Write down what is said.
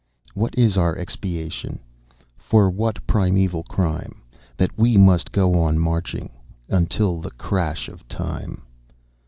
_ "_What is our expiation, For what primeval crime, That we must go on marching Until the crash of time?